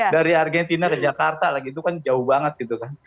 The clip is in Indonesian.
dari argentina ke jakarta lagi itu kan jauh banget gitu kan